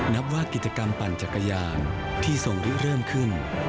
นับว่ากิจกรรมปั่นจักรยานที่ทรงเริ่มขึ้น